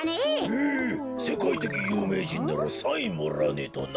へえせかいてきゆうめいじんならサインもらわねえとな。